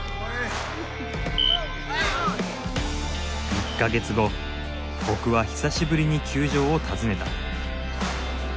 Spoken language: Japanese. １か月後僕は久しぶりに球場を訪ねた。